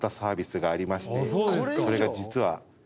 それが実は。